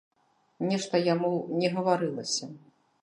Нешта яму не гаварылася.